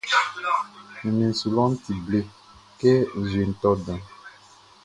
Ɲanmiɛn su lɔʼn ti ble kɛ nzueʼn tɔ danʼn.